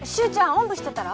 おんぶしてったら？